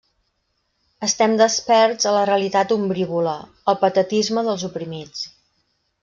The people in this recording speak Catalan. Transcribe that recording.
Estem desperts a la realitat ombrívola, al patetisme dels oprimits.